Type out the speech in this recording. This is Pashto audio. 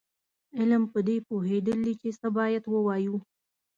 علم پدې پوهېدل دي چې څه باید ووایو.